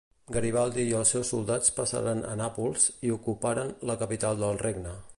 Garibaldi i els seus soldats passaren a Nàpols i ocuparen la capital del regne.